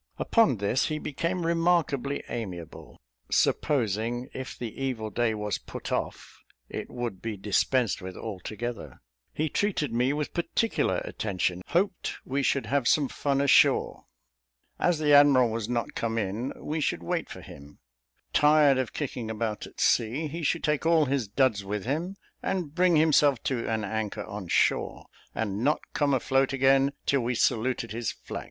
Upon this, he became remarkably amiable, supposing if the evil day was put off, it would be dispensed with altogether; he treated me with particular attention, hoped we should have some fun ashore; as the admiral was not come in, we should wait for him; tired of kicking about at sea, he should take all his duds, with him, and bring himself to an anchor on shore, and not come afloat again till we saluted his flag.